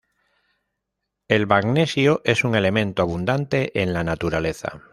El magnesio es un elemento abundante en la naturaleza.